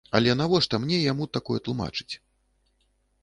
Але навошта мне яму такое тлумачыць?